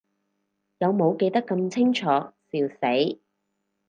有無記得咁清楚，笑死